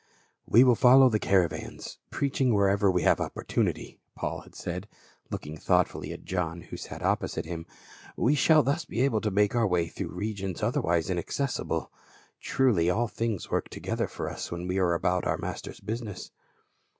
" We will follow the caravans, preaching wherever we have opportunity," Paul had said, looking thought fully at John, who sat opposite him. " We shall thus be able to make our way through regions otherwise inaccessible. Truly, all things work together for us when we are about our Master's business."